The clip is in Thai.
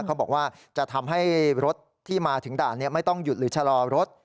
เขาบอกว่าจะทำให้รถที่มาถึงด่านไม่ต้องหยุดหรือชะลอรถ